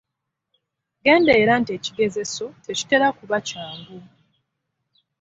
Genderera nti ekigezeso tekitera kuba kyangu.